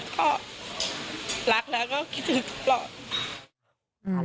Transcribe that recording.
ก็รักแล้วก็คิดถึงทุกแล้ว